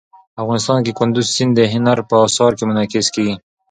افغانستان کې کندز سیند د هنر په اثار کې منعکس کېږي.